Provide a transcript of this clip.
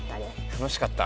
楽しかった？